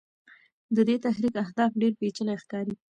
د دې تحریک اهداف ډېر پېچلي ښکاري.